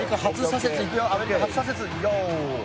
アメリカ初左折用意。